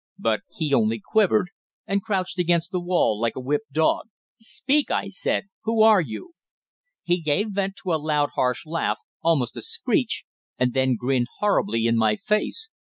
But he only quivered, and crouched against the wall like a whipped dog. "Speak!" I said. "Who are you?" He gave vent to a loud, harsh laugh, almost a screech, and then grinned horribly in my face.